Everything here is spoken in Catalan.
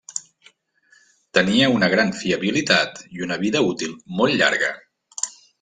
Tenia una gran fiabilitat i una vida útil molt llarga.